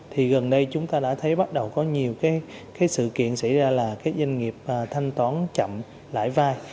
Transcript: thì gần đây chúng ta đã thấy bắt đầu có nhiều cái sự kiện xảy ra là cái doanh nghiệp thanh toán chậm lãi vai